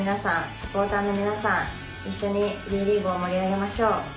サポーターの皆さん一緒にＷＥリーグを盛り上げましょう。